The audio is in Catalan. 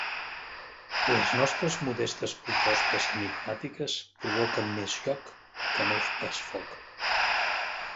Les nostres modestes propostes enigmístiques provoquen més joc que no pas foc.